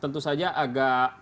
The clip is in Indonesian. tentu saja agak